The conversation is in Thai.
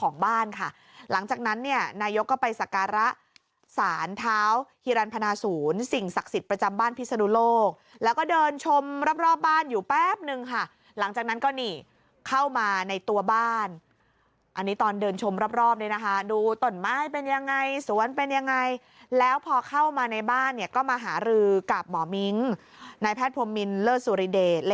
ของบ้านค่ะหลังจากนั้นเนี่ยนายกก็ไปสการะสารเท้าฮิรันพนาศูนย์สิ่งศักดิ์สิทธิ์ประจำบ้านพิศนุโลกแล้วก็เดินชมรอบบ้านอยู่แป๊บนึงค่ะหลังจากนั้นก็นี่เข้ามาในตัวบ้านอันนี้ตอนเดินชมรอบเนี่ยนะคะดูต้นไม้เป็นยังไงสวนเป็นยังไงแล้วพอเข้ามาในบ้านเนี่ยก็มาหารือกับหมอมิ้งนายแพทย์พรมมินเลิศสุริเดช